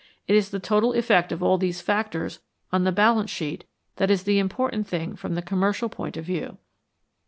It is the total effect of all these factors on the balance sheet that is the important thing from the commercial point of view.